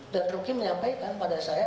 dan ruki menyampaikan pada saya